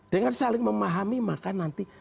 dengan saling memahami maka nanti